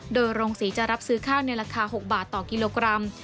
โดยโรงศรีจะรับซื้อข้าวในราคา๖บาทต่อกิโลกรัม